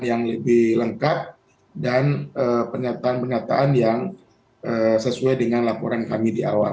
yang lebih lengkap dan pernyataan pernyataan yang sesuai dengan laporan kami di awal